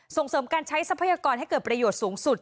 ส่งเสริมการใช้ทรัพยากรให้เกิดประโยชน์สูงสุด